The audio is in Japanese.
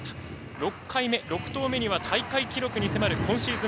６回目、６投目には大会記録に迫る今シーズン